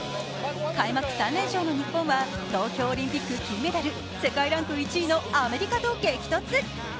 開幕３連勝の日本は東京オリンピック金メダル世界ランク１位のアメリカと激突。